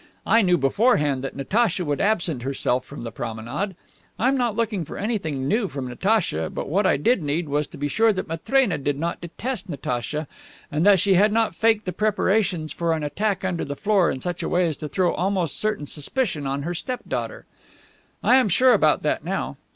I knew beforehand that Natacha would absent herself during the promenade. I'm not looking for anything new from Natacha, but what I did need was to be sure that Matrena didn't detest Natacha, and that she had not faked the preparations for an attack under the floor in such a way as to throw almost certain suspicion on her step daughter. I am sure about that now.